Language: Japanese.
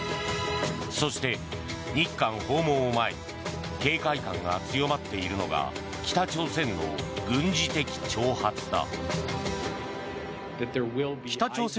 そして日韓訪問を前に警戒感が強まっているのが北朝鮮の軍事的挑発だ。